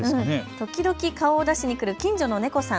時々顔を出しに来る近所の猫さん。